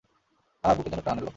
আহ, বুকে যেন প্রাণ এলো।